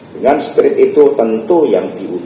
dengan spirit itu tentu yang dibutuhkan